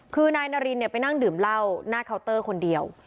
คือนายนารินไปนั่งดื่มเหล้าหน้าเคาน์เตอร์คนเดียว